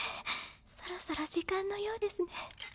そろそろ時間のようですね。